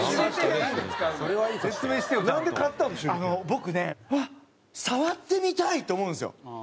僕ねうわっ触ってみたいって思うんですよ。